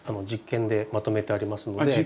実験でまとめてありますので。